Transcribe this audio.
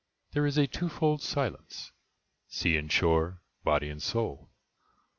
There is a two fold Silence—sea and shore— Body and soul.